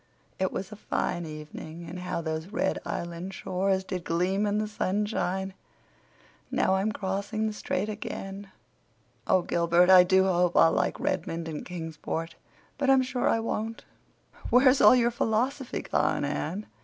It was a fine evening; and how those red Island shores did gleam in the sunshine. Now I'm crossing the strait again. Oh, Gilbert, I do hope I'll like Redmond and Kingsport, but I'm sure I won't!" "Where's all your philosophy gone, Anne?"